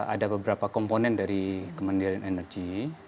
ada beberapa komponen dari kemandirian energi